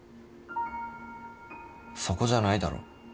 そこじゃないだろ。